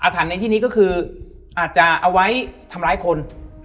ถันในที่นี้ก็คืออาจจะเอาไว้ทำร้ายคน